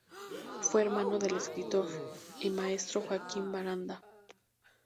Fue hermano del escritor y maestro Joaquín Baranda.